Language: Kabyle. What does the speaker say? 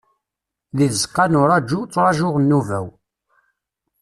Deg tzeqqa n uraju, ttrajuɣ nnuba-w.